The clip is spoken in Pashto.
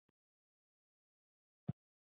څوک دغو ودانیو ته پر ورتګ پښېمانه شي.